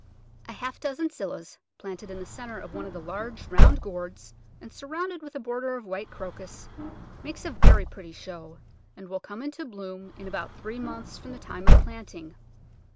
A half dozen Scillas planted in the centre of one of the large round gourds and surrounded with a bor der of white Crocus makes a very pretty show, and will come into bloom in about three months from the time of planting.